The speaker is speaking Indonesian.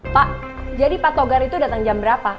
pak jadi pak togar itu datang jam berapa